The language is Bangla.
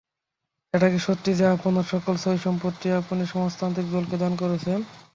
এটা কি সত্য যে আপনার সকল সয়-সম্পত্তি আপনি সমাজতান্ত্রিক দলকে দান করেছেন?